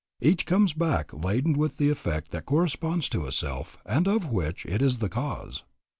Each comes back laden with the effect that corresponds to itself and of which it is the cause.